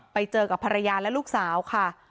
ไปเจอกับภรรยาและลูกสาวค่ะ